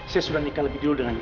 saya sudah nikah lebih dulu dengan